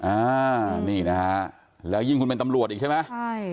อ่านี่นะฮะแล้วยิ่งคุณเป็นตำรวจอีกใช่ไหมใช่